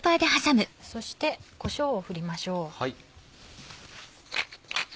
そしてこしょうを振りましょう。